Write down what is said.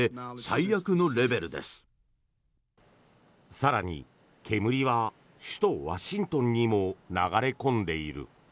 更に、煙は首都ワシントンにも流れ込んでいる。